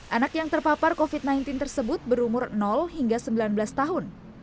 anak yang terpapar covid sembilan belas tersebut berumur hingga sembilan belas tahun